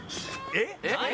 えっ？